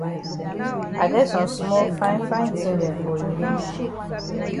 I get some small fine fine tin dem for you.